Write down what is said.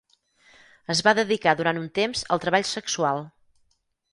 Es va dedicar durant un temps al treball sexual.